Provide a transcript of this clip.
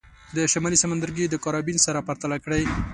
د شمالي سمندرګي د کارابین سره پرتله کړئ.